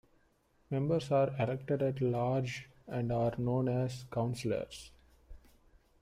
Members are elected at large and are known as Councillors.